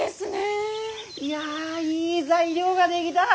いやいい材料が出来だ。